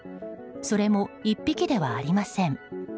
それも１匹ではありません。